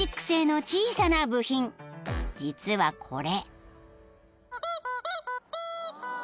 ［実はこれ］